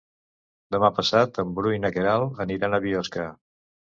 Demà passat en Bru i na Queralt aniran a Biosca.